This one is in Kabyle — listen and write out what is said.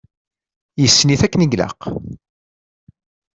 Yessen-it akken i ilaq.